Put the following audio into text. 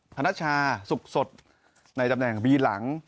ธนชาสุขสดในตำแหน่งบีหลัง